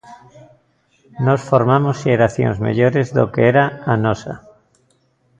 Nós formamos xeracións mellores do que era a nosa.